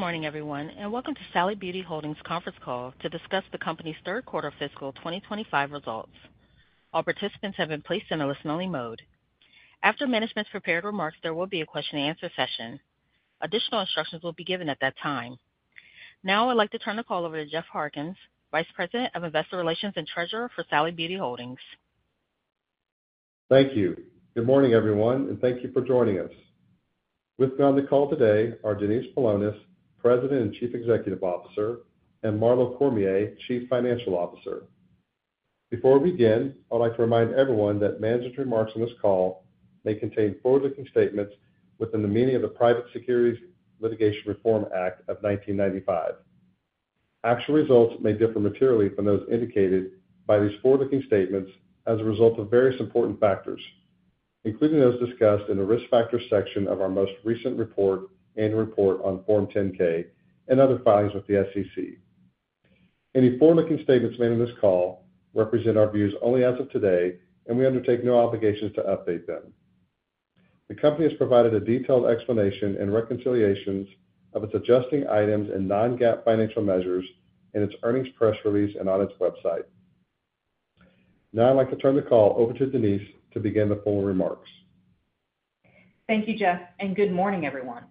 Good morning, everyone, and welcome to Sally Beauty Holdings' Conference Call to discuss the Company's third quarter fiscal 2025 results. All participants have been placed in a listen-only mode. After management's prepared remarks, there will be a question-and-answer session. Additional instructions will be given at that time. Now I'd like to turn the call over to Jeff Harkins, Vice President of Investor Relations and Treasurer for Sally Beauty Holdings. Thank you. Good morning, everyone, and thank you for joining us. With me on the call today are Denise Paulonis, President and Chief Executive Officer, and Marlo Cormier, Chief Financial Officer. Before we begin, I'd like to remind everyone that management's remarks on this call may contain forward-looking statements within the meaning of the Private Securities Litigation Reform Act of 1995. Actual results may differ materially from those indicated by these forward-looking statements as a result of various important factors, including those discussed in the Risk Factors section of our most recent report, Annual Report on Form 10-K, and other filings with the SEC. Any forward-looking statements made on this call represent our views only as of today, and we undertake no obligation to update them. The company has provided a detailed explanation and reconciliations of its adjusting items and non-GAAP financial measures in its earnings press release and on its website. Now I'd like to turn the call over to Denise to begin the full remarks. Thank you, Jeff, and good morning, everyone.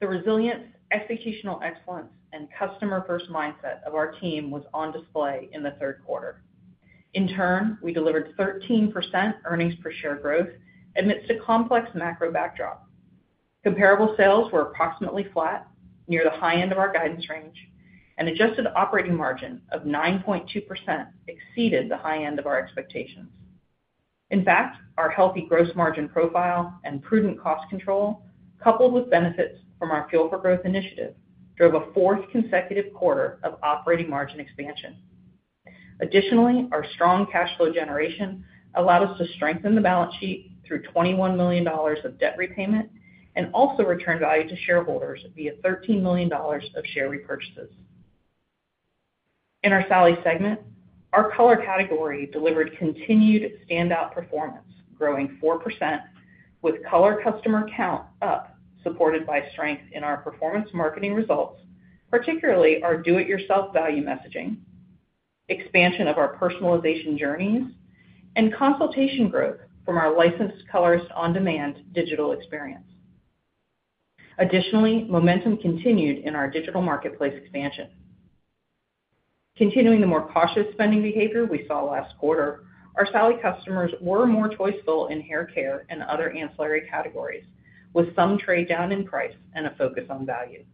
The resilience, expectational excellence, and customer-first mindset of our team was on display in the third quarter. In turn, we delivered 13% earnings per share growth amidst a complex macroeconomic environment. Comparable sales were approximately flat, near the high end of our guidance range, and an adjusted operating margin of 9.2% exceeded the high end of our expectations. In fact, our healthy gross margin profile and prudent cost control, coupled with benefits from our Fuel for Growth initiative, drove a fourth consecutive quarter of operating margin expansion. Additionally, our strong cash flow generation allowed us to strengthen the balance sheet through $21 million of debt repayment and also return value to shareholders via $13 million of share repurchases. In our Sally segment, our color category delivered continued standout performance, growing 4%, with color customer count up, supported by strength in our performance marketing results, particularly our do-it-yourself value messaging, expansion of our personalization journeys, and consultation growth from our Licensed Colorist OnDemand digital experience. Additionally, momentum continued in our digital marketplace expansion. Continuing the more cautious spending behavior we saw last quarter, our Sally customers were more choiceful in hair care and other ancillary categories, with some trade down in price and a focus on value.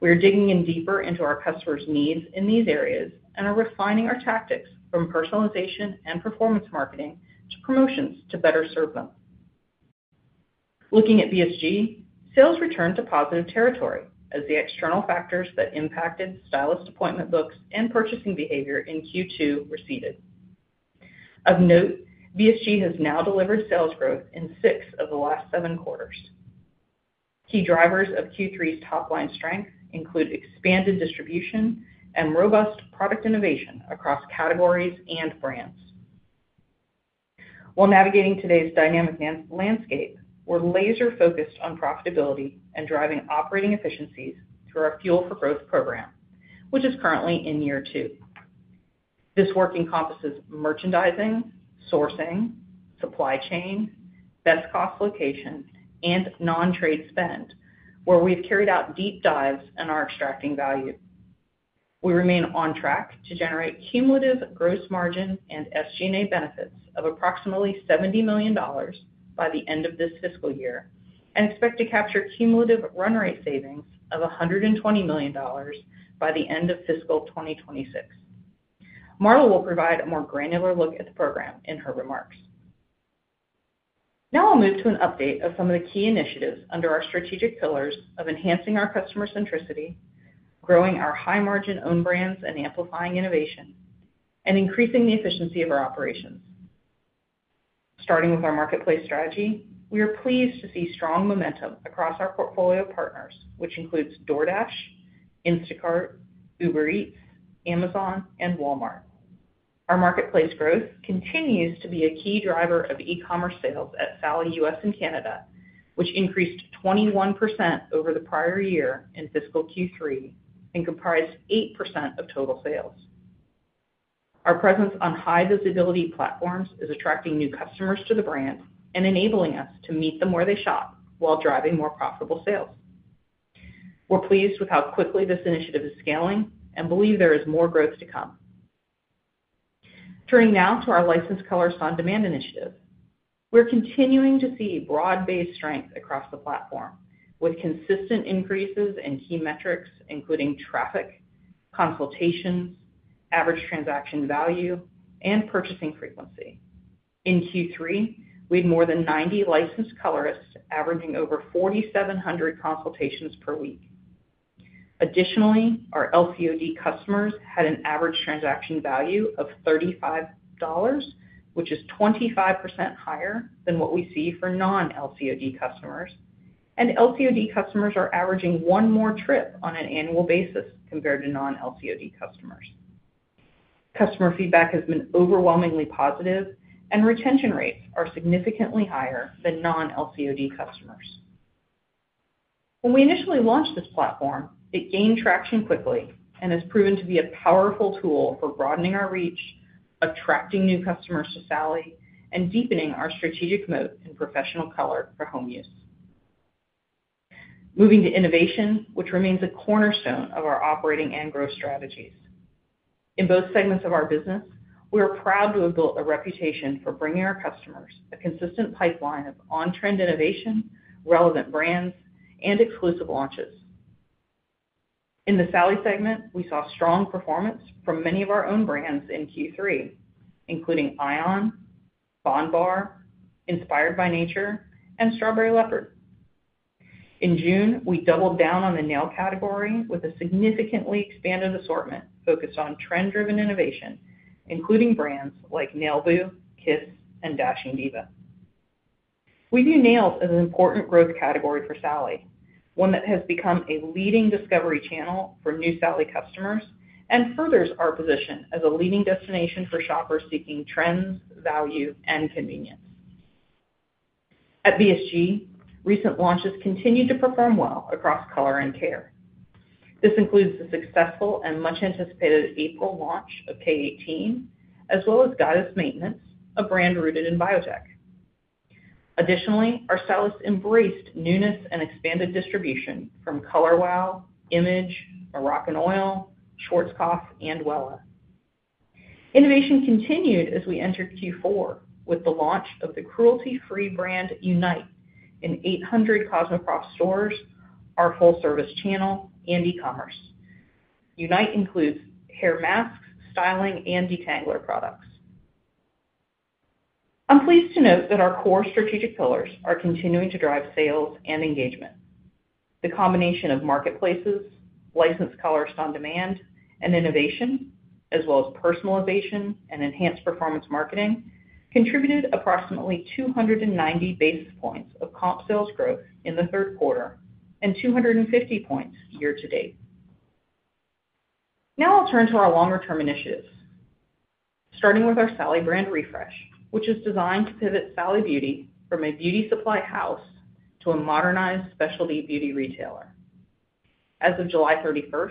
We are digging in deeper into our customers' needs in these areas and are refining our tactics from personalization and performance marketing to promotions to better serve them. Looking at BSG, sales returned to positive territory as the external factors that impacted stylist appointment books and purchasing behavior in Q2 receded. Of note, BSG has now delivered sales growth in six of the last seven quarters. Key drivers of Q3's top-line strength include expanded distribution and robust product innovation across categories and brands. While navigating today's dynamic landscape, we're laser-focused on profitability and driving operating efficiencies through our Fuel for Growth program, which is currently in year two. This work encompasses merchandising, sourcing, supply chain, best cost location, and non-trade spend, where we've carried out deep dives and are extracting value. We remain on track to generate cumulative gross margin and SG&A benefits of approximately $70 million by the end of this fiscal year and expect to capture cumulative run rate savings of $120 million by the end of fiscal 2026. Marlo will provide a more granular look at the program in her remarks. Now I'll move to an update of some of the key initiatives under our strategic pillars of enhancing our customer centricity, growing our high-margin owned brands and amplifying innovation, and increasing the efficiency of our operations. Starting with our marketplace strategy, we are pleased to see strong momentum across our portfolio partners, which includes DoorDash, Instacart, Uber Eats, Amazon, and Walmart. Our marketplace growth continues to be a key driver of e-commerce sales at Sally U.S. and Canada, which increased 21% over the prior year in fiscal Q3 and comprised 8% of total sales. Our presence on high-visibility platforms is attracting new customers to the brand and enabling us to meet them where they shop while driving more profitable sales. We're pleased with how quickly this initiative is scaling and believe there is more growth to come. Turning now to our Licensed Colorist OnDemand initiative, we're continuing to see broad-based strength across the platform with consistent increases in key metrics, including traffic, consultation, average transaction value, and purchasing frequency. In Q3, we had more than 90 licensed colorists averaging over 4,700 consultations per week. Additionally, our LCOD customers had an average transaction value of $35, which is 25% higher than what we see for non-LCOD customers, and LCOD customers are averaging one more trip on an annual basis compared to non-LCOD customers. Customer feedback has been overwhelmingly positive, and retention rates are significantly higher than non-LCOD customers. When we initially launched this platform, it gained traction quickly and has proven to be a powerful tool for broadening our reach, attracting new customers to Sally, and deepening our strategic moat in professional color for home use. Moving to innovation, which remains a cornerstone of our operating and growth strategies. In both segments of our business, we are proud to have built a reputation for bringing our customers a consistent pipeline of on-trend innovation, relevant brands, and exclusive launches. In the Sally segment, we saw strong performance from many of our own brands in Q3, including ion, bondbar, Inspired by Nature, and Strawberry Leopard. In June, we doubled down on the nail category with a significantly expanded assortment focused on trend-driven innovation, including brands like Nailboo, KISS, and Dashing Diva. We view nails as an important growth category for Sally, one that has become a leading discovery channel for new Sally customers and furthers our position as a leading destination for shoppers seeking trends, value, and convenience. At BSG, recent launches continue to perform well across color and care. This includes the successful and much-anticipated April launch of K18, as well as Goddess Maintenance, a brand rooted in biotech. Additionally, our stylists embraced newness and expanded distribution from Color Wow, Image, Moroccanoil, Schwarzkopf, and Wella. Innovation continued as we entered Q4 with the launch of the cruelty-free brand Unite in 800 CosmoProf stores, our full-service channel, and e-commerce. Unite includes hair masks, styling, and detangler products. I'm pleased to note that our core strategic pillars are continuing to drive sales and engagement. The combination of marketplaces, Licensed Colorist OnDemand, and innovation, as well as personalization and enhanced performance marketing, contributed approximately 290 basis points of comp sales growth in the third quarter and 250 basis points year-to-date. Now I'll turn to our longer-term initiatives, starting with our Sally brand refresh, which is designed to pivot Sally Beauty from a beauty supply house to a modernized specialty beauty retailer. As of July 31st,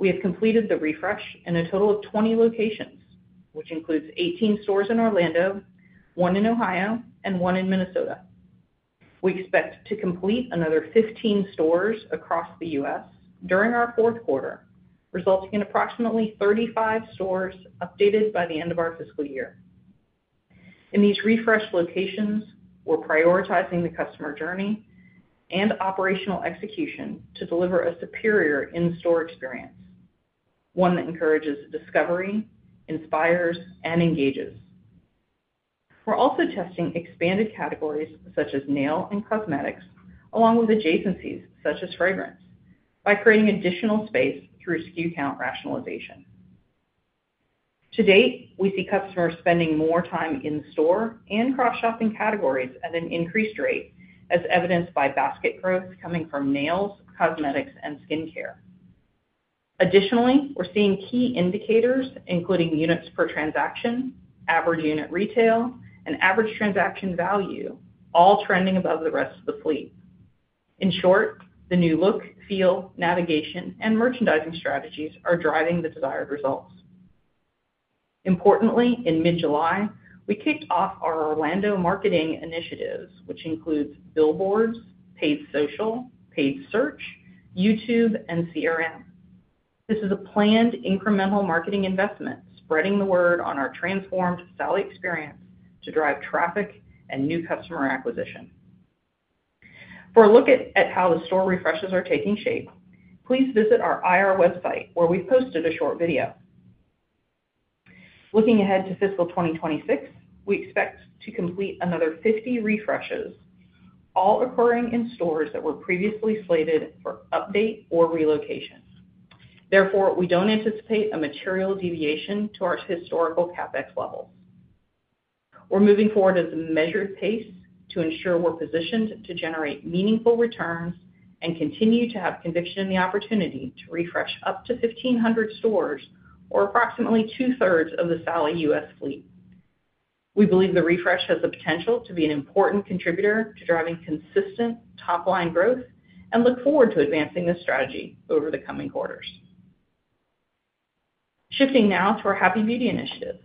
we have completed the refresh in a total of 20 locations, which includes 18 stores in Orlando, one in Ohio, and one in Minnesota. We expect to complete another 15 stores across the U.S. during our fourth quarter, resulting in approximately 35 stores updated by the end of our fiscal year. In these refresh locations, we're prioritizing the customer journey and operational execution to deliver a superior in-store experience, one that encourages discovery, inspires, and engages. We're also testing expanded categories such as nail and cosmetics, along with adjacencies such as fragrance, by creating additional space through SKU count rationalization. To date, we see customers spending more time in-store and cross-shopping categories at an increased rate, as evidenced by basket growth coming from nails, cosmetics, and skincare. Additionally, we're seeing key indicators, including units per transaction, average unit retail, and average transaction value, all trending above the rest of the fleet. In short, the new look, feel, navigation, and merchandising strategies are driving the desired results. Importantly, in mid-July, we kicked off our Orlando marketing initiatives, which includes billboards, paid social, paid search, YouTube, and CRM. This is a planned incremental marketing investment, spreading the word on our transformed Sally experience to drive traffic and new customer acquisition. For a look at how the store refreshes are taking shape, please visit our IR website, where we've posted a short video. Looking ahead to fiscal 2026, we expect to complete another 50 refreshes, all occurring in stores that were previously slated for update or relocation. Therefore, we don't anticipate a material deviation to our historical CapEx levels. We're moving forward at a measured pace to ensure we're positioned to generate meaningful returns and continue to have conviction in the opportunity to refresh up to 1,500 stores or approximately 2/3 of the Sally U.S. fleet. We believe the refresh has the potential to be an important contributor to driving consistent top-line growth and look forward to advancing this strategy over the coming quarters. Shifting now to our Happy Beauty initiative,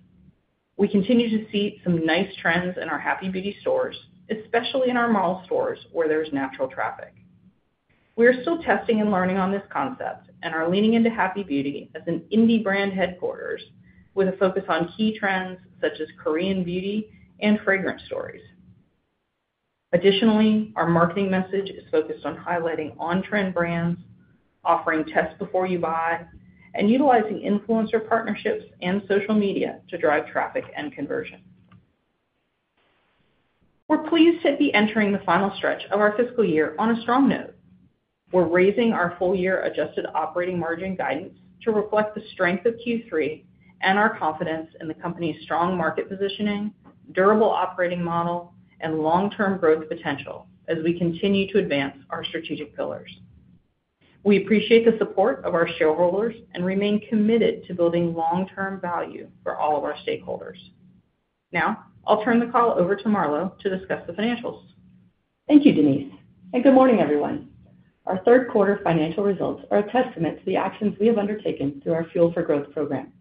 we continue to see some nice trends in our Happy Beauty stores, especially in our mall stores where there's natural traffic. We are still testing and learning on this concept and are leaning into Happy Beauty as an indie brand headquarters with a focus on key trends such as Korean beauty and fragrance stories. Additionally, our marketing message is focused on highlighting on-trend brands, offering tests before you buy, and utilizing influencer partnerships and social media to drive traffic and conversion. We're pleased to be entering the final stretch of our fiscal year on a strong note. We're raising our full-year adjusted operating margin guidance to reflect the strength of Q3 and our confidence in the company's strong market positioning, durable operating model, and long-term growth potential as we continue to advance our strategic pillars. We appreciate the support of our shareholders and remain committed to building long-term value for all of our stakeholders. Now I'll turn the call over to Marlo to discuss the financials. Thank you, Denise, and good morning, everyone. Our third quarter financial results are a testament to the actions we have undertaken through our Fuel for Growth program.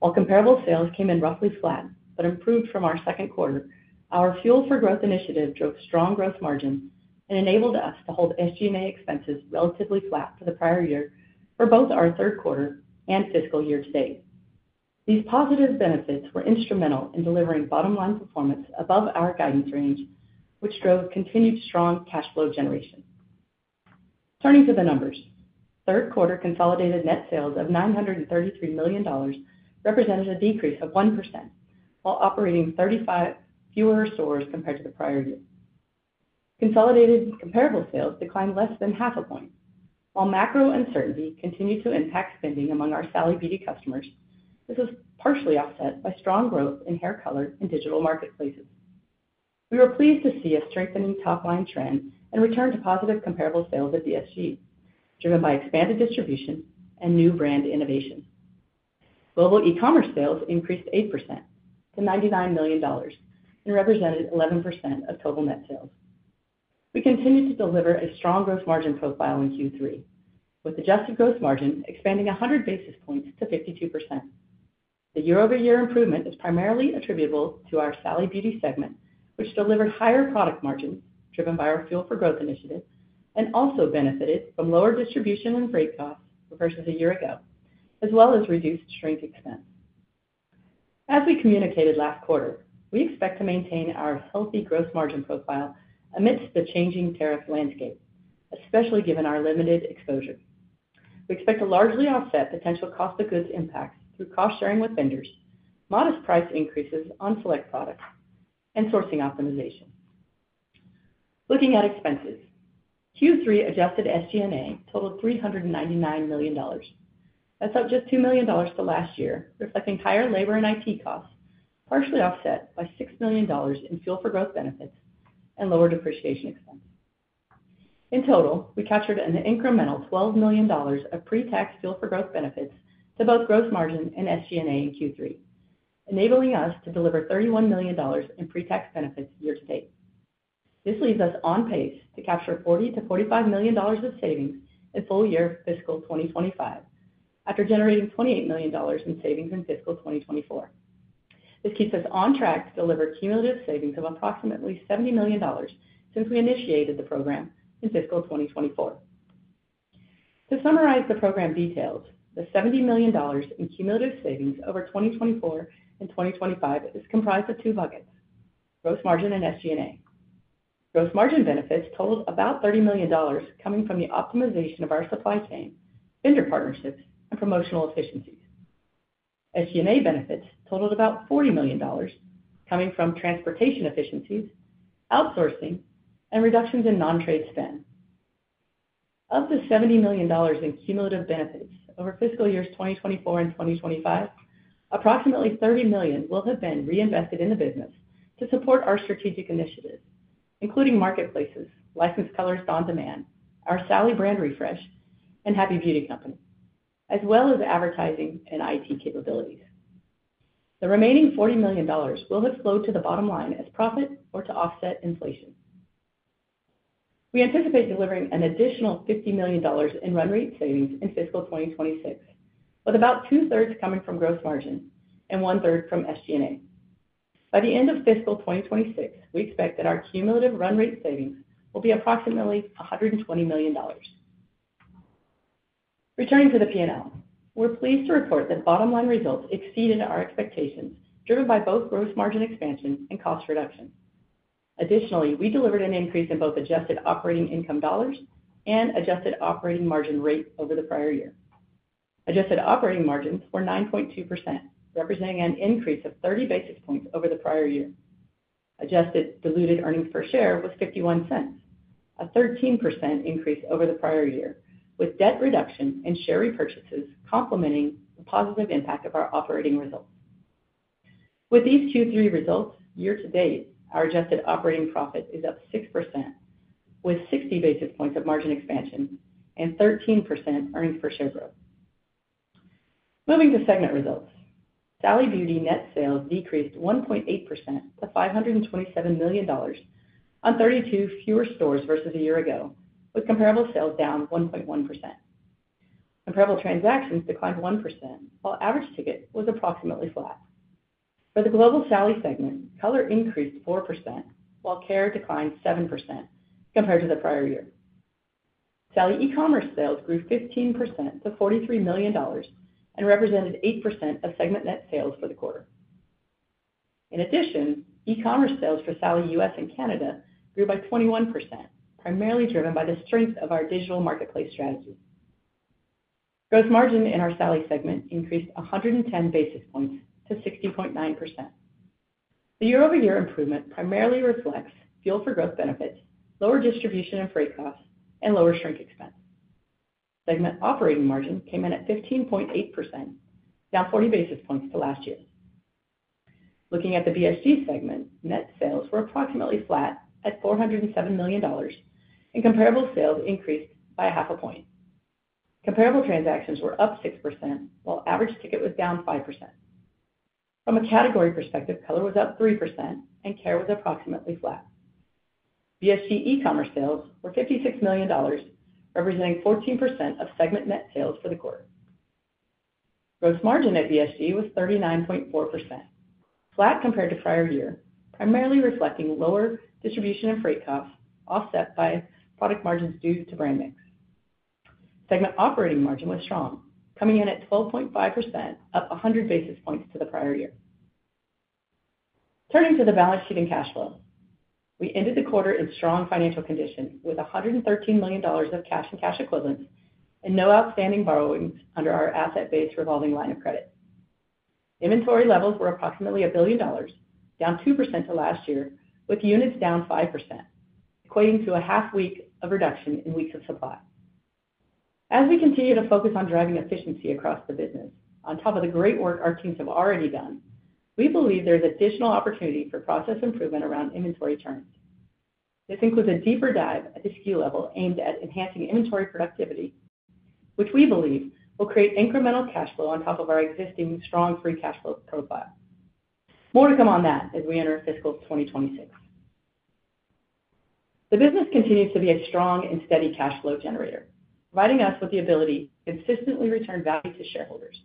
While comparable sales came in roughly flat but improved from our second quarter, our Fuel for Growth initiative drove strong gross margins and enabled us to hold SG&A expenses relatively flat for the prior year for both our third quarter and fiscal year-to-date. These positive benefits were instrumental in delivering bottom-line performance above our guidance range, which drove continued strong cash flow generation. Turning to the numbers, third quarter consolidated net sales of $933 million represented a decrease of 1%, while operating 35 fewer stores compared to the prior year. Consolidated comparable sales declined less than half a point. While macro uncertainty continued to impact spending among our Sally Beauty customers, this was partially offset by strong growth in hair color and digital marketplaces. We were pleased to see a strengthening top-line trend and return to positive comparable sales at BSG driven by expanded distribution and new brand innovation. Global e-commerce sales increased 8% to $99 million and represented 11% of total net sales. We continued to deliver a strong gross margin profile in Q3, with adjusted gross margin expanding 100 basis points to 52%. The year-over-year improvement is primarily attributable to our Sally Beauty segment, which delivered higher product margins driven by our Fuel for Growth initiative and also benefited from lower distribution and freight costs versus a year ago, as well as reduced shrink expense. As we communicated last quarter, we expect to maintain our healthy gross margin profile amidst the changing tariff landscape, especially given our limited exposure. We expect to largely offset potential cost of goods impact through cost sharing with vendors, modest price increases on select products, and sourcing optimization. Looking at expenses, Q3 adjusted SG&A totaled $399 million. That's up just $2 million to last year, reflecting higher labor and IT costs, partially offset by $6 million in Fuel for Growth benefits and lower depreciation expenses. In total, we captured an incremental $12 million of pre-tax Fuel for Growth benefits to both gross margin and SG&A in Q3, enabling us to deliver $31 million in pre-tax benefits year-to-date. This leaves us on pace to capture $40 million-$45 million of savings in full year fiscal 2025, after generating $28 million in savings in fiscal 2024. This keeps us on track to deliver cumulative savings of approximately $70 million since we initiated the program in fiscal 2024. To summarize the program details, the $70 million in cumulative savings over 2024 and 2025 is comprised of two buckets: gross margin and SG&A. Gross margin benefits totaled about $30 million, coming from the optimization of our supply chain, vendor partnerships, and promotional efficiencies. SG&A benefits totaled about $40 million, coming from transportation efficiencies, outsourcing, and reductions in non-trade spend. Of the $70 million in cumulative benefits over fiscal years 2024 and 2025, approximately $30 million will have been reinvested in the business to support our strategic initiatives, including marketplaces, Licensed Colorist OnDemand, our Sally brand refresh, and Happy Beauty company, as well as advertising and IT capabilities. The remaining $40 million will have flowed to the bottom line as profit or to offset inflation. We anticipate delivering an additional $50 million in run rate savings in fiscal 2026, with about 2/3 coming from gross margin and 1/3 from SG&A. By the end of fiscal 2026, we expect that our cumulative run rate savings will be approximately $120 million. Returning to the P&L, we're pleased to report that bottom-line results exceeded our expectations, driven by both gross margin expansion and cost reduction. Additionally, we delivered an increase in both adjusted operating income dollars and adjusted operating margin rate over the prior year. Adjusted operating margins were 9.2%, representing an increase of 30 basis points over the prior year. Adjusted diluted earnings per share was $0.51, a 13% increase over the prior year, with debt reduction and share repurchases complementing the positive impact of our operating results. With these Q3 results year-to-date, our adjusted operating profit is up 6%, with 60 basis points of margin expansion and 13% earnings per share growth. Moving to segment results, Sally Beauty net sales decreased 1.8% to $527 million on 32 fewer stores versus a year ago, with comparable sales down 1.1%. Comparable transactions declined 1%, while average ticket was approximately flat. For the Global Sally segment, color increased 4%, while care declined 7% compared to the prior year. Sally e-commerce sales grew 15% to $43 million and represented 8% of segment net sales for the quarter. In addition, e-commerce sales for Sally U.S. and Canada grew by 21%, primarily driven by the strength of our digital marketplace strategy. Gross margin in our Sally segment increased 110 basis points to 60.9%. The year-over-year improvement primarily reflects Fuel for Growth benefits, lower distribution and freight costs, and lower shrink expense. Segment operating margin came in at 15.8%, down 40 basis points to last year. Looking at the BSG segment, net sales were approximately flat at $407 million, and comparable sales increased by half a point. Comparable transactions were up 6%, while average ticket was down 5%. From a category perspective, color was up 3%, and care was approximately flat. BSG e-commerce sales were $56 million, representing 14% of segment net sales for the quarter. Gross margin at BSG was 39.4%, flat compared to prior year, primarily reflecting lower distribution and freight costs, offset by product margins due to brand name. Segment operating margin was strong, coming in at 12.5%, up 100 basis points to the prior year. Turning to the balance sheet and cash flow, we ended the quarter in strong financial condition with $113 million of cash and cash equivalents and no outstanding borrowing under our asset-based revolving line of credit. Inventory levels were approximately $1 billion, down 2% to last year, with units down 5%, equating to a half week of reduction in weeks of supply. As we continue to focus on driving efficiency across the business, on top of the great work our teams have already done, we believe there's additional opportunity for process improvement around inventory churns. This includes a deeper dive at the SKU level aimed at enhancing inventory productivity, which we believe will create incremental cash flow on top of our existing strong free cash flow profile. More to come on that as we enter fiscal 2026. The business continues to be a strong and steady cash flow generator, providing us with the ability to consistently return value to shareholders.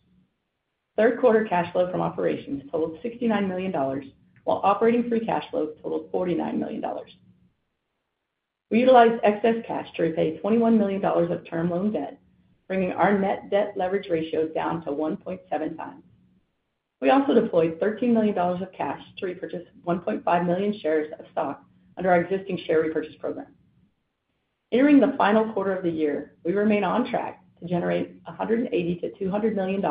Third quarter cash flow from operations totaled $69 million, while operating free cash flow totaled $49 million. We utilized excess cash to repay $21 million of term-loan debt, bringing our net debt leverage ratio down to 1.7x. We also deployed $13 million of cash to repurchase 1.5 million shares of stock under our existing share repurchase program. Entering the final quarter of the year, we remain on track to generate $180 million-$200 million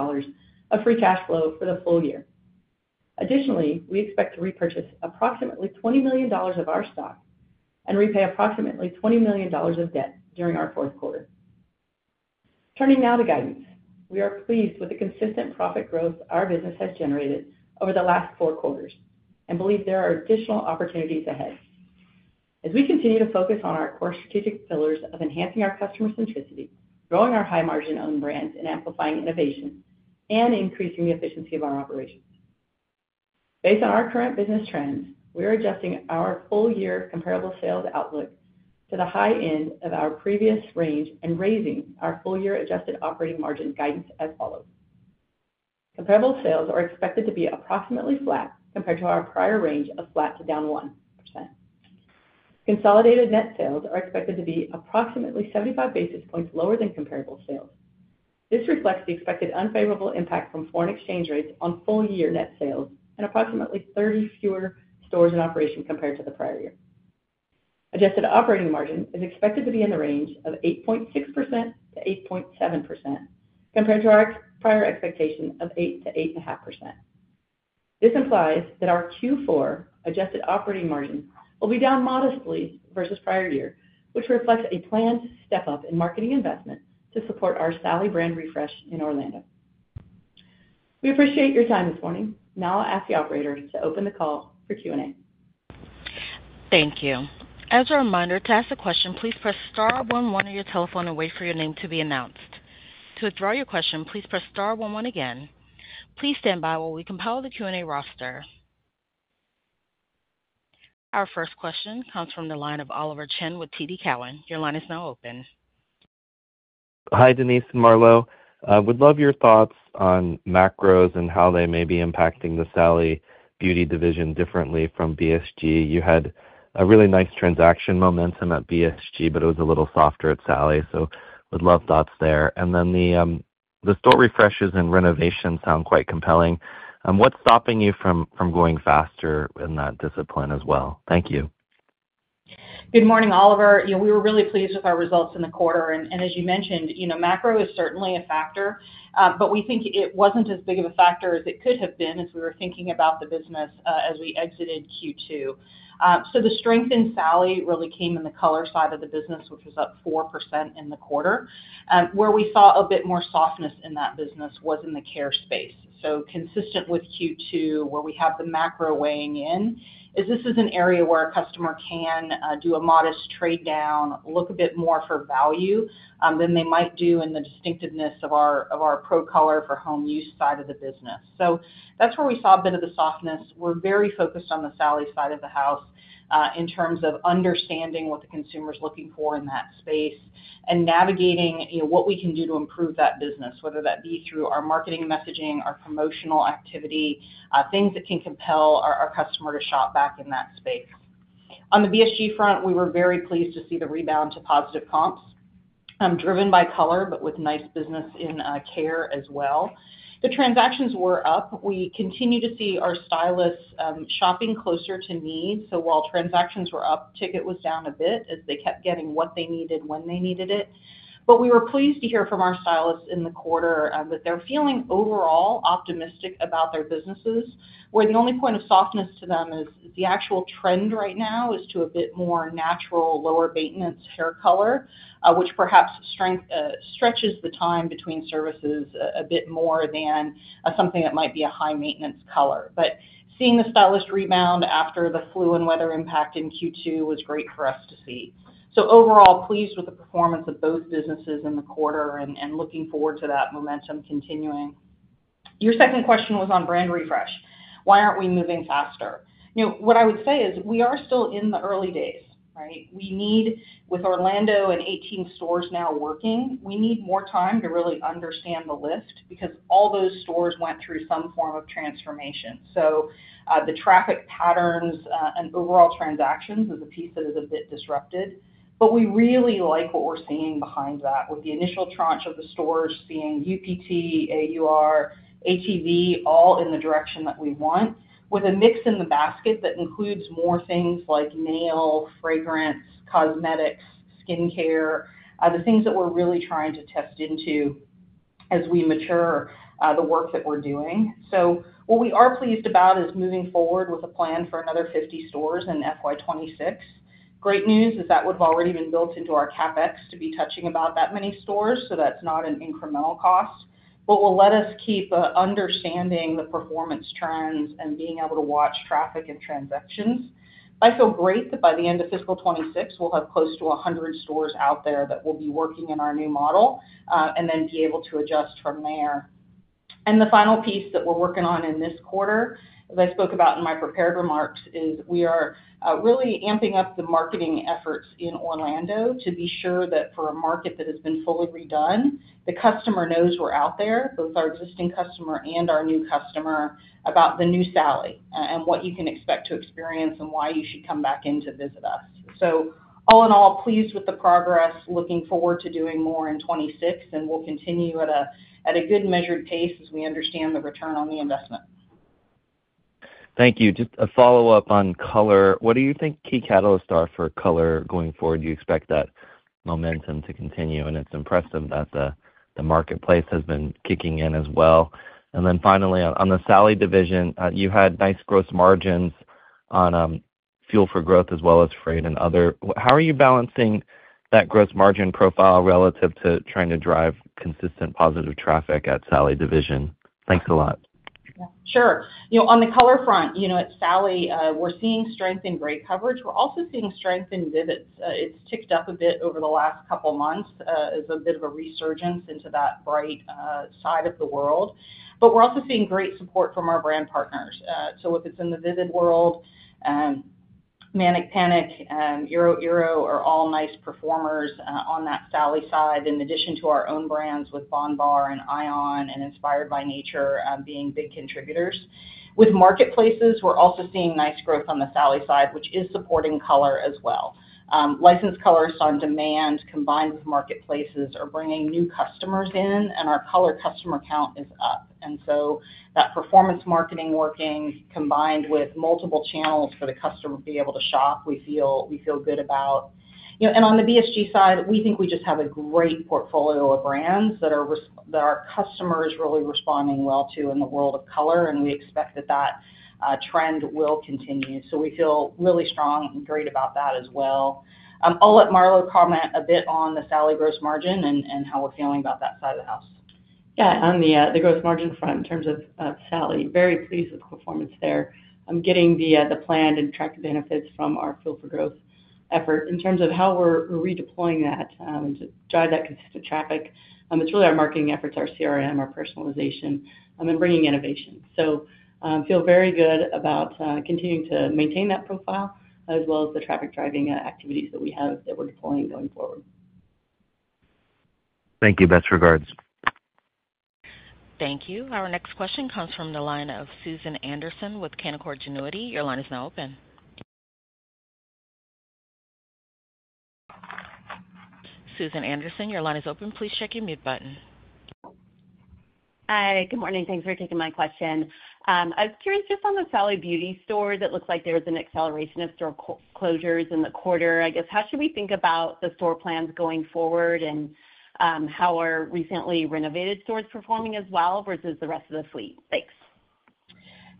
of free cash flow for the full year. Additionally, we expect to repurchase approximately $20 million of our stock and repay approximately $20 million of debt during our fourth quarter. Turning now to guidance, we are pleased with the consistent profit growth our business has generated over the last four quarters and believe there are additional opportunities ahead. As we continue to focus on our core strategic pillars of enhancing our customer centricity, growing our high-margin owned brands, amplifying innovation, and increasing the efficiency of our operations. Based on our current business trends, we're adjusting our full-year comparable sales outlook to the high end of our previous range and raising our full-year adjusted operating margin guidance as follows. Comparable sales are expected to be approximately flat compared to our prior range of flat to down 1%. Consolidated net sales are expected to be approximately 75 basis points lower than comparable sales. This reflects the expected unfavorable impact from foreign exchange rates on full-year net sales and approximately 30 fewer stores in operation compared to the prior year. Adjusted operating margin is expected to be in the range of 8.6%-8.7%, compared to our prior expectation of 8%-8.5%. This implies that our Q4 adjusted operating margin will be down modestly versus prior year, which reflects a planned step up in marketing investment to support our Sally brand refresh in Orlando. We appreciate your time this morning. Now I'll ask the operator to open the call for Q&A. Thank you. As a reminder, to ask a question, please press star one-one on your telephone and wait for your name to be announced. To withdraw your question, please press star one-one again. Please stand by while we compile the Q&A roster. Our first question comes from the line of Oliver Chen with TD Cowen. Your line is now open. Hi, Denise and Marlo. I would love your thoughts on macros and how they may be impacting the Sally Beauty division differently from BSG. You had a really nice transaction momentum at BSG, but it was a little softer at Sally, so I would love thoughts there. The store refreshes and renovations sound quite compelling. What's stopping you from going faster in that discipline as well? Thank you. Good morning, Oliver. We were really pleased with our results in the quarter, and as you mentioned, macro is certainly a factor, but we think it wasn't as big of a factor as it could have been as we were thinking about the business as we exited Q2. The strength in Sally really came in the color side of the business, which was up 4% in the quarter. Where we saw a bit more softness in that business was in the care space. Consistent with Q2, where we have the macro weighing in, this is an area where a customer can do a modest trade down, look a bit more for value than they might do in the distinctiveness of our pro-color for home use side of the business. That's where we saw a bit of the softness. We're very focused on the Sally side of the house in terms of understanding what the consumer is looking for in that space and navigating what we can do to improve that business, whether that be through our marketing messaging, our promotional activity, things that can compel our customer to shop back in that space. On the BSG front, we were very pleased to see the rebound to positive comps, driven by color, but with nice business in care as well. The transactions were up. We continue to see our stylists shopping closer to need. While transactions were up, ticket was down a bit as they kept getting what they needed when they needed it. We were pleased to hear from our stylists in the quarter that they're feeling overall optimistic about their businesses, where the only point of softness to them is the actual trend right now is to a bit more natural, lower maintenance hair color, which perhaps stretches the time between services a bit more than something that might be a high maintenance color. Seeing the stylist rebound after the flu and weather impact in Q2 was great for us to see. Overall, pleased with the performance of both businesses in the quarter and looking forward to that momentum continuing. Your second question was on brand refresh. Why aren't we moving faster? What I would say is we are still in the early days, right? We need, with Orlando and 18 stores now working, more time to really understand the lift because all those stores went through some form of transformation. The traffic patterns and overall transactions are the pieces that are a bit disrupted. We really like what we're seeing behind that, with the initial tranche of the stores being UPT, AUR, ATV, all in the direction that we want, with a mix in the basket that includes more things like nail, fragrance, cosmetics, skincare, the things that we're really trying to test into as we mature the work that we're doing. What we are pleased about is moving forward with a plan for another 50 stores in FY 2026. Great news is that would have already been built into our CapEx to be touching about that many stores, so that's not an incremental cost, but will let us keep understanding the performance trends and being able to watch traffic and transactions. I feel great that by the end of fiscal 2026, we'll have close to 100 stores out there that will be working in our new model and then be able to adjust from there. The final piece that we're working on in this quarter, as I spoke about in my prepared remarks, is we are really amping up the marketing efforts in Orlando to be sure that for a market that has been fully redone, the customer knows we're out there, both our existing customer and our new customer, about the new Sally and what you can expect to experience and why you should come back in to visit us. All in all, pleased with the progress, looking forward to doing more in 2026, and we'll continue at a good measured pace as we understand the return on the investment. Thank you. Just a follow-up on color. What do you think key catalysts are for color going forward? Do you expect that momentum to continue? It's impressive that the marketplace has been kicking in as well. Finally, on the Sally division, you had nice gross margins on Fuel for Growth as well as freight and other. How are you balancing that gross margin profile relative to trying to drive consistent positive traffic at Sally division? Thanks a lot. Yeah, sure. You know, on the color front, at Sally, we're seeing strength in gray coverage. We're also seeing strength in vivid. It's ticked up a bit over the last couple of months as a bit of a resurgence into that bright side of the world. We're also seeing great support from our brand partners. If it's in the Vivid world, Manic Panic and Iroiro are all nice performers on that Sally side, in addition to our own brands with bondbar and ion and Inspired by Nature being big contributors. With marketplaces, we're also seeing nice growth on the Sally side, which is supporting color as well. Licensed Colorist OnDemand combined with marketplaces are bringing new customers in, and our color customer count is up. That performance marketing working combined with multiple channels for the customer to be able to shop, we feel good about. On the BSG, we think we just have a great portfolio of brands that our customer is really responding well to in the world of color, and we expect that trend will continue. We feel really strong and great about that as well. I'll let Marlo comment a bit on the Sally gross margin and how we're feeling about that side of the house. Yeah, on the gross margin front in terms of Sally, very pleased with the performance there. I'm getting the planned and tracked benefits from our Fuel for Growth effort. In terms of how we're redeploying that to drive that consistent traffic, it's really our marketing efforts, our CRM, our personalization, and bringing innovation. I feel very good about continuing to maintain that profile as well as the traffic driving activities that we have that we're deploying going forward. Thank you. Best regards. Thank you. Our next question comes from the line of Susan Anderson with Canaccord Genuity. Your line is now open. Susan Anderson, your line is open. Please check your mute button. Hi, good morning. Thanks for taking my question. I was curious just on the Sally Beauty store. It looks like there's an acceleration of store closures in the quarter. I guess, how should we think about the store plans going forward and how are recently renovated stores performing as well versus the rest of the fleet? Thanks.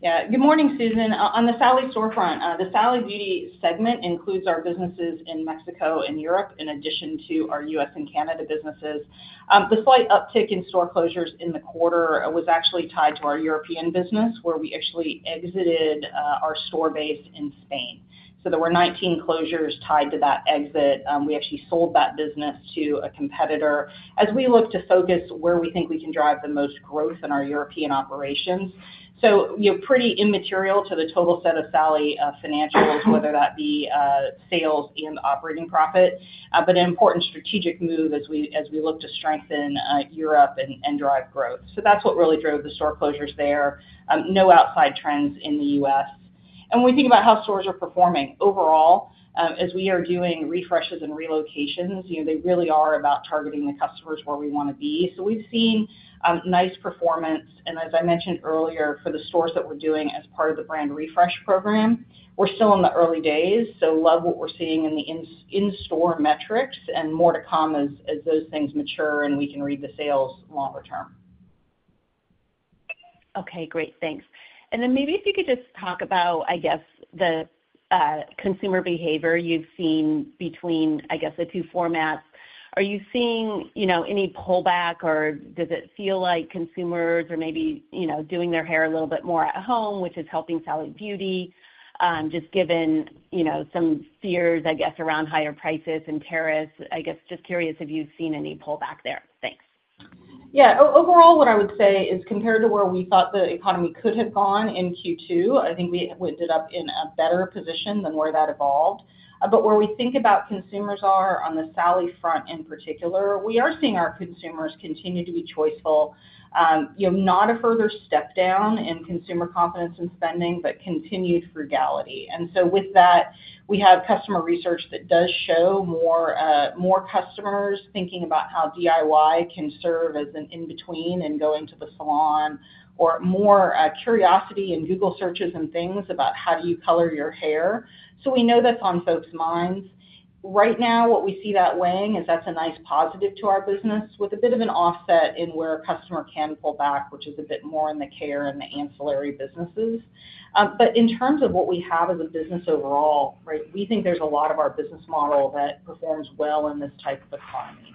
Yeah, good morning, Susan. On the Sally storefront, the Sally Beauty segment includes our businesses in Mexico and Europe in addition to our U.S. and Canada businesses. The slight uptick in store closures in the quarter was actually tied to our European business where we actually exited our store base in Spain. There were 19 closures tied to that exit. We actually sold that business to a competitor as we look to focus where we think we can drive the most growth in our European operations. Pretty immaterial to the total set of Sally financials, whether that be sales and operating profit, but an important strategic move as we look to strengthen Europe and drive growth. That's what really drove the store closures there. No outside trends in the U.S. When we think about how stores are performing overall, as we are doing refreshes and relocations, they really are about targeting the customers where we want to be. We've seen nice performance. As I mentioned earlier, for the stores that we're doing as part of the brand refresh program, we're still in the early days. Love what we're seeing in the in-store metrics and more to come as those things mature and we can read the sales longer term. Okay, great. Thanks. Maybe if you could just talk about the consumer behavior you've seen between the two formats. Are you seeing any pullback or does it feel like consumers are maybe doing their hair a little bit more at home, which is helping Sally Beauty, just given some fears around higher prices and tariffs? Just curious if you've seen any pullback there. Thanks. Yeah, overall, what I would say is compared to where we thought the economy could have gone in Q2, I think we ended up in a better position than where that evolved. Where we think about consumers are on the Sally front in particular, we are seeing our consumers continue to be choiceful, you know, not a further step down in consumer confidence and spending, but continued frugality. With that, we have customer research that does show more customers thinking about how DIY can serve as an in-between and going to the salon or more curiosity in Google searches and things about how do you color your hair. We know that's on folks' minds. Right now, what we see that weighing is that's a nice positive to our business with a bit of an offset in where a customer can pull back, which is a bit more in the care and the ancillary businesses. In terms of what we have as a business overall, right, we think there's a lot of our business model that performs well in this type of economy.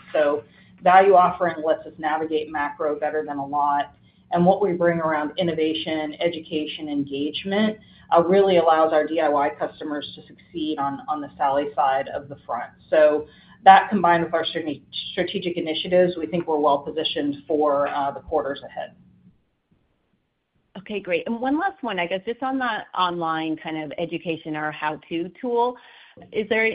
Value offering lets us navigate macro better than a lot. What we bring around innovation, education, engagement really allows our DIY customers to succeed on the Sally side of the front. That combined with our strategic initiatives, we think we're well positioned for the quarters ahead. Okay, great. One last one, just on the online kind of education or how-to tool, is there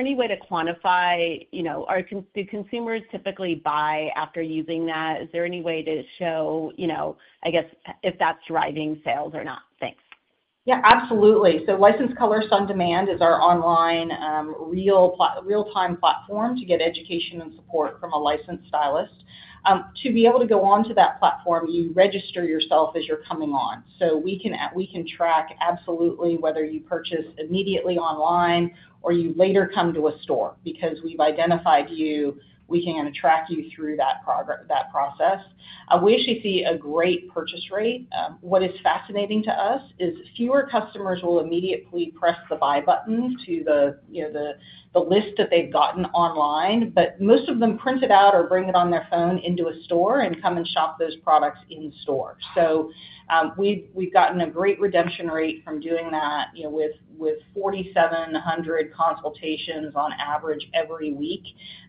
any way to quantify, you know, do consumers typically buy after using that? Is there any way to show if that's driving sales or not? Thanks. Yeah, absolutely. Licensed Colorist OnDemand is our online, real-time platform to get education and support from a licensed stylist. To be able to go on to that platform, you register yourself as you're coming on. We can track absolutely whether you purchase immediately online or you later come to a store. Because we've identified you, we can track you through that process. We actually see a great purchase rate. What is fascinating to us is fewer customers will immediately press the buy button to the list that they've gotten online, but most of them print it out or bring it on their phone into a store and come and shop those products in store. We've gotten a great redemption rate from doing that, with 4,700 consultations on average every week.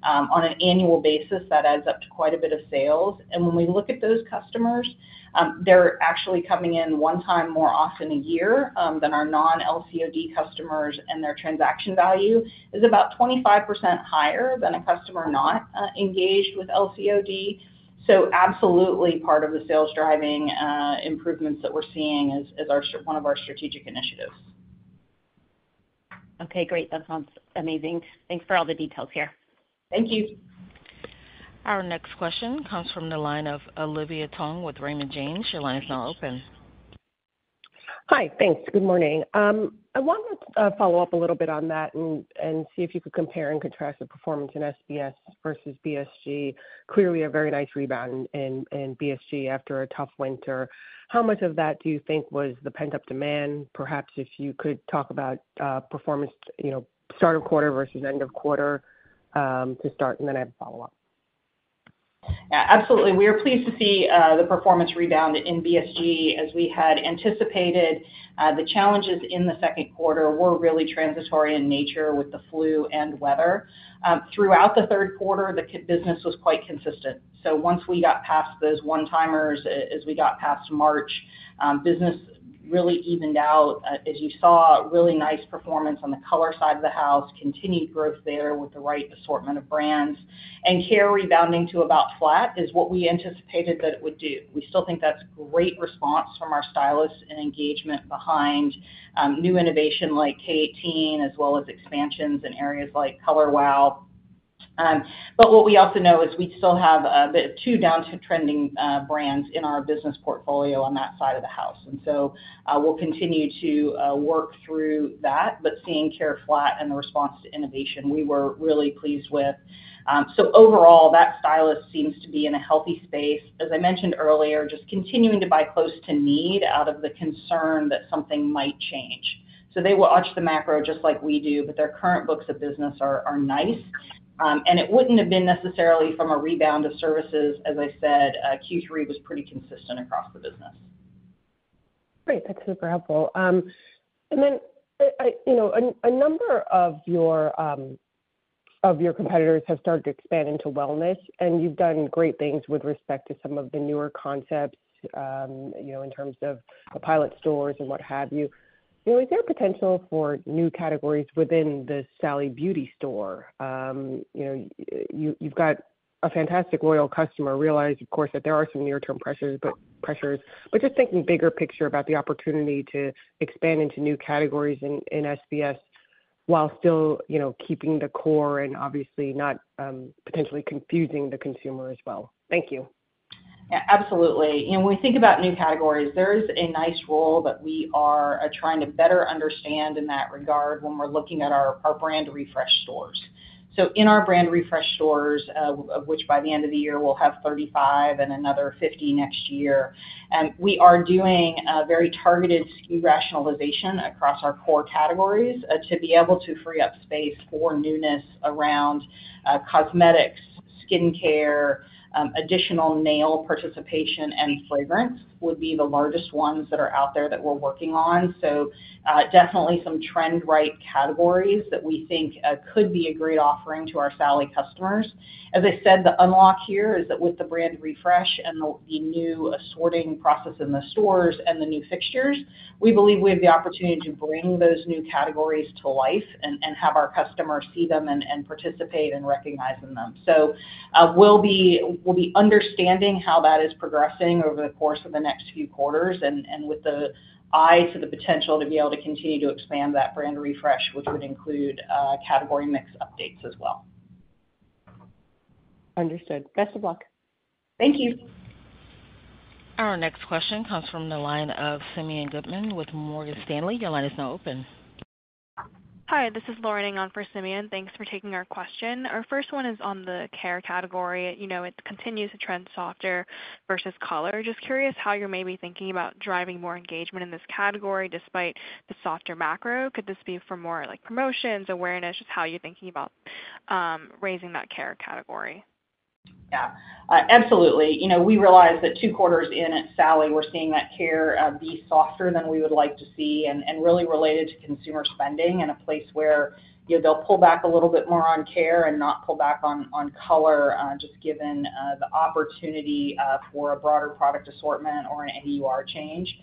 On an annual basis, that adds up to quite a bit of sales. When we look at those customers, they're actually coming in one time more often a year than our non-LCOD customers, and their transaction value is about 25% higher than a customer not engaged with LCOD. Absolutely, part of the sales driving improvements that we're seeing is one of our strategic initiatives. Okay, great. That sounds amazing. Thanks for all the details here. Thank you. Our next question comes from the line of Olivia Tong with Raymond James. Your line is now open. Hi, thanks. Good morning. I want to follow up a little bit on that and see if you could compare and contrast the performance in SBS versus BSG. Clearly, a very nice rebound in BSG after a tough winter. How much of that do you think was the pent-up demand? Perhaps if you could talk about performance, you know, start of quarter versus end of quarter to start, and then I have a follow-up. Yeah, absolutely. We are pleased to see the performance rebound in BSG. As we had anticipated, the challenges in the second quarter were really transitory in nature with the flu and weather. Throughout the third quarter, the business was quite consistent. Once we got past those one-timers, as we got past March, business really evened out. As you saw, really nice performance on the color side of the house, continued growth there with the right assortment of brands. Care rebounding to about flat is what we anticipated that it would do. We still think that's a great response from our stylists and engagement behind new innovation like K18, as well as expansions in areas like Color Wow. What we also know is we still have a bit of two down-trending brands in our business portfolio on that side of the house. We will continue to work through that, but seeing care flat and the response to innovation, we were really pleased with. Overall, that stylist seems to be in a healthy space. As I mentioned earlier, just continuing to buy close to need out of the concern that something might change. They will watch the macro just like we do, but their current books of business are nice. It wouldn't have been necessarily from a rebound of services. As I said, Q3 was pretty consistent across the business. Great. That's super helpful. A number of your competitors have started to expand into wellness, and you've done great things with respect to some of the newer concepts in terms of pilot stores and what have you. Is there potential for new categories within the Sally Beauty store? You've got a fantastic loyal customer. I realize, of course, that there are some near-term pressures, but just thinking bigger picture about the opportunity to expand into new categories in SBS while still keeping the core and obviously not potentially confusing the consumer as well. Thank you. Yeah, absolutely. You know, when we think about new categories, there's a nice role that we are trying to better understand in that regard when we're looking at our brand refresh stores. In our brand refresh stores, of which by the end of the year we'll have 35 and another 50 next year, we are doing very targeted rationalization across our core categories to be able to free up space for newness around cosmetics, skincare, additional nail participation, and fragrance would be the largest ones that are out there that we're working on. Definitely some trend-right categories that we think could be a great offering to our Sally customers. As I said, the unlock here is that with the brand refresh and the new sorting process in the stores and the new fixtures, we believe we have the opportunity to bring those new categories to life and have our customers see them and participate in recognizing them. We'll be understanding how that is progressing over the course of the next few quarters with the eye for the potential to be able to continue to expand that brand refresh, which would include category mix updates as well. Understood. Best of luck. Thank you. Our next question comes from the line of Simeon Goodman with Morgan Stanley. Your line is now open. Hi, this is Lauren on for Simeon. Thanks for taking our question. Our first one is on the care category. It continues to trend softer versus color. Just curious how you may be thinking about driving more engagement in this category despite the softer macro. Could this be for more like promotions, awareness, just how you're thinking about raising that care category? Yeah, absolutely. We realize that two quarters in at Sally, we're seeing that care be softer than we would like to see and really related to consumer spending in a place where they'll pull back a little bit more on care and not pull back on color, just given the opportunity for a broader product assortment or an AUR change.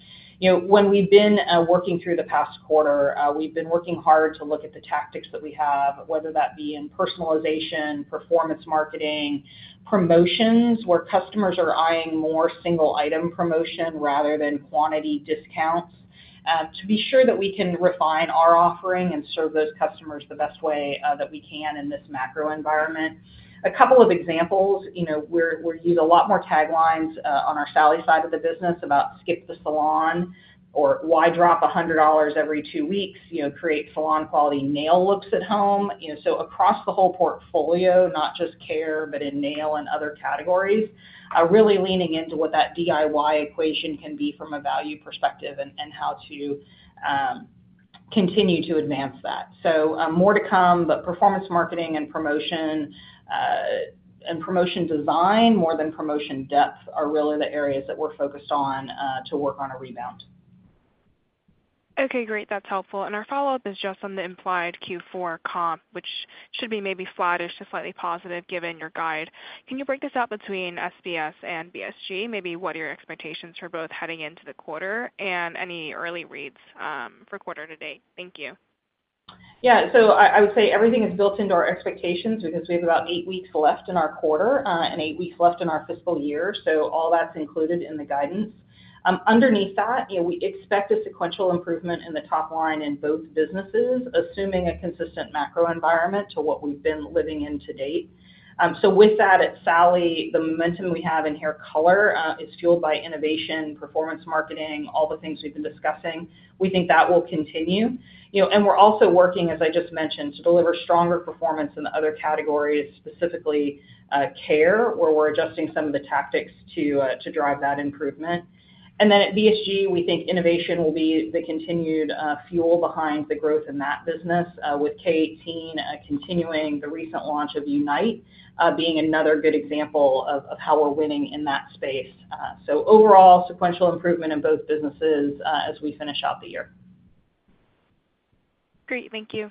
When we've been working through the past quarter, we've been working hard to look at the tactics that we have, whether that be in personalization, performance marketing, promotions where customers are eyeing more single-item promotion rather than quantity discounts, to be sure that we can refine our offering and serve those customers the best way that we can in this macroeconomic environment. A couple of examples, we're using a lot more taglines on our Sally Beauty side of the business about skip the salon or why drop $100 every two weeks, create salon-quality nail looks at home. Across the whole portfolio, not just care, but in nail and other categories, really leaning into what that DIY equation can be from a value perspective and how to continue to advance that. More to come, but performance marketing and promotion and promotion design more than promotion depth are really the areas that we're focused on to work on a rebound. Okay, great. That's helpful. Our follow-up is just on the implied Q4 comp, which should be maybe flat or just slightly positive given your guide. Can you break this out between SBS and BSG? Maybe what are your expectations for both heading into the quarter and any early reads for quarter-to-date? Thank you. Yeah, so I would say everything is built into our expectations because we have about eight weeks left in our quarter and eight weeks left in our fiscal year. All that's included in the guidance. Underneath that, we expect a sequential improvement in the top line in both businesses, assuming a consistent macroeconomic environment to what we've been living in to date. At Sally, the momentum we have in hair color is fueled by innovation, performance marketing, all the things we've been discussing. We think that will continue. We're also working, as I just mentioned, to deliver stronger performance in other categories, specifically care, where we're adjusting some of the tactics to drive that improvement. At BSG, we think innovation will be the continued fuel behind the growth in that business, with K18 continuing, the recent launch of Unite being another good example of how we're winning in that space. Overall, sequential improvement in both businesses as we finish out the year. Great. Thank you.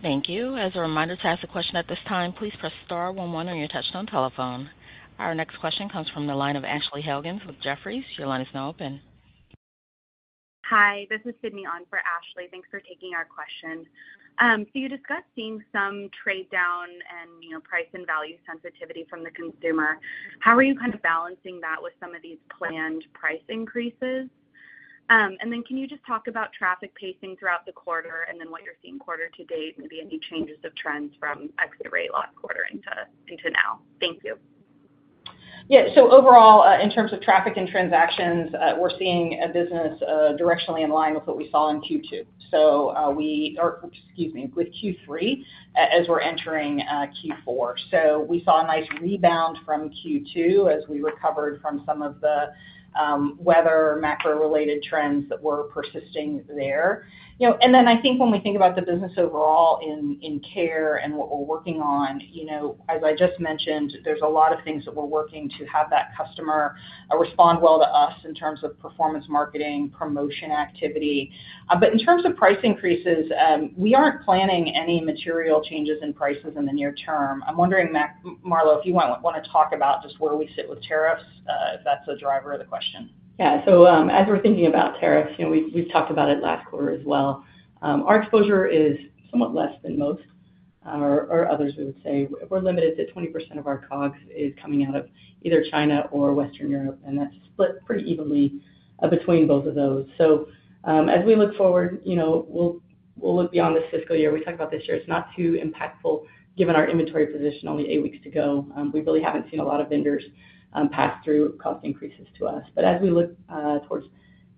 Thank you. As a reminder, to ask a question at this time, please press star one-one on your touch-tone telephone. Our next question comes from the line of Ashley Hogans with Jefferies. Your line is now open. Hi, this is Sydney on for Ashley. Thanks for taking our question. You discussed seeing some trade down and, you know, price and value sensitivity from the consumer. How are you kind of balancing that with some of these planned price increases? Can you just talk about traffic pacing throughout the quarter and what you're seeing quarter to date, maybe any changes of trends from exit rate last quarter to now? Thank you. Overall, in terms of traffic and transactions, we're seeing a business directionally in line with what we saw in Q2, with Q3 as we're entering Q4. We saw a nice rebound from Q2 as we recovered from some of the weather macro-related trends that were persisting there. When we think about the business overall in care and what we're working on, as I just mentioned, there's a lot of things that we're working to have that customer respond well to us in terms of performance marketing and promotion activity. In terms of price increases, we aren't planning any material changes in prices in the near term. I'm wondering, Marlo, if you want to talk about just where we sit with tariffs, if that's a driver of the question. Yeah, as we're thinking about tariffs, we've talked about it last quarter as well. Our exposure is somewhat less than most or others, we would say. We're limited to 20% of our COGS coming out of either China or Western Europe, and that's split pretty evenly between both of those. As we look forward, we'll look beyond this fiscal year. We talked about this year. It's not too impactful given our inventory position, only eight weeks to go. We really haven't seen a lot of vendors pass through cost increases to us. As we look towards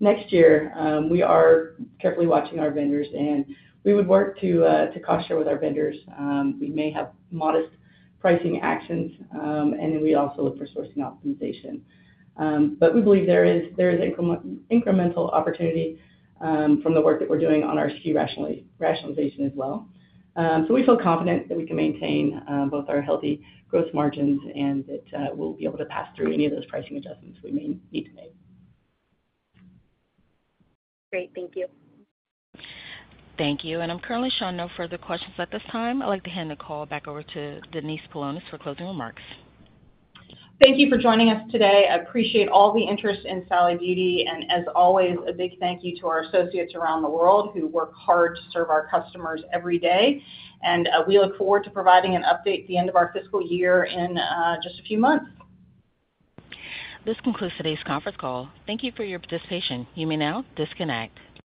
next year, we are carefully watching our vendors, and we would work to cost share with our vendors. We may have modest pricing actions, and we also look for sourcing optimization. We believe there is incremental opportunity from the work that we're doing on our SKU rationalization as well. We feel confident that we can maintain both our healthy gross margins and that we'll be able to pass through any of those pricing adjustments we may need to make. Great. Thank you. Thank you. I'm currently showing no further questions at this time. I'd like to hand the call back over to Denise Paulonis for closing remarks. Thank you for joining us today. I appreciate all the interest in Sally Beauty Holdings, and as always, a big thank you to our associates around the world who work hard to serve our customers every day. We look forward to providing an update at the end of our fiscal year in just a few months. This concludes today's conference call. Thank you for your participation. You may now disconnect.